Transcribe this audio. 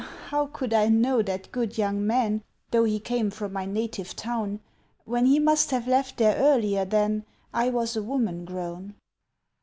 "How could I know that good young man, Though he came from my native town, When he must have left there earlier than I was a woman grown?"